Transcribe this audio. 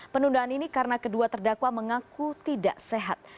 penundaan ini karena kedua terdakwa mengaku tidak sehat